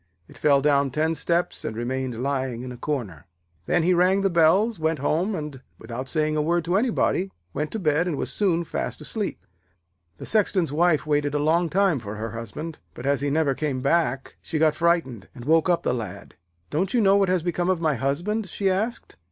It fell down ten steps, and remained lying in a corner. Then he rang the bells, went home, and, without saying a word to anybody, went to bed and was soon fast asleep. The Sexton's wife waited a long time for her husband, but, as he never came back, she got frightened, and woke up the Lad. 'Don't you know what has become of my husband?' she asked.